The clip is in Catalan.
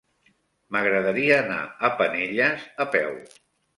M'agradaria anar a Penelles a peu.